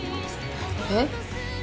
えっ？